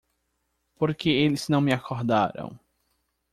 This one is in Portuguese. Por que eles não me acordaram?